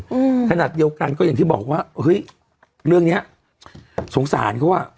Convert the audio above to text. อืมขนาดเดียวกันก็อย่างที่บอกว่าเฮ้ยเรื่องเนี้ยสงสารเขาอ่ะ